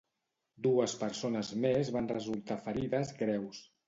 Dues persones més van resultar ferides greus.